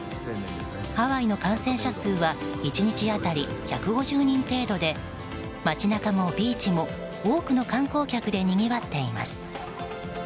ハワイの感染者数は１日当たり１５０人程度で街中もビーチも多くの観光客でにぎわっています。